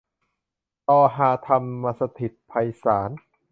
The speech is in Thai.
ตอฮา ธรรมสถิตไพศาล